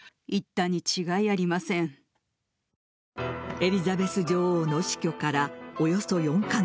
エリザベス女王の死去からおよそ４カ月。